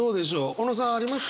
小野さんあります？